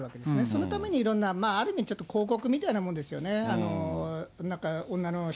そのためにいろんな、ある意味、ちょっと広告みたいなもんですよね。